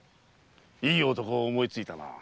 いい男を思いついたな。